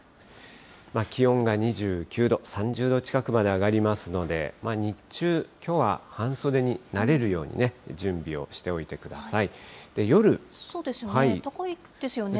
気温が２９度、３０度近くまで上がりますので、日中、きょうは半袖になれるように準備をしておいてください。